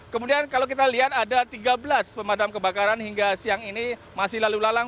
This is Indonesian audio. kemudian kalau kita lihat ada tiga belas pemadam kebakaran hingga siang ini masih lalu lalang